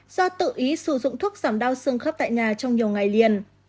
do tự ý sử dụng thuốc giảm đau xương khớp tại nhà trong nhiều ngày liền